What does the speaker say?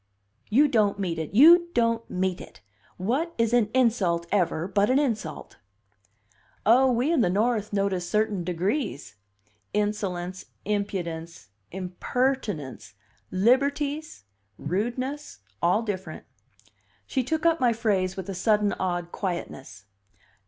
"You don't meet it, you don't meet it! What is an insult ever but an insult?" "Oh, we in the North notice certain degrees insolence, impudence, impertinence, liberties, rudeness all different." She took up my phrase with a sudden odd quietness.